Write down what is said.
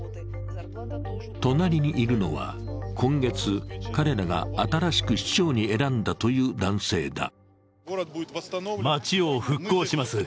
隣にいるのは、今月、彼らが新しく市長に選んだという男性だ。